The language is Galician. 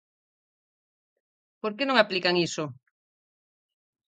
Por que non aplican iso?